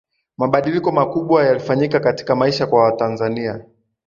mabadiliko makubwa yalifanyika katika maisha kwa watanzania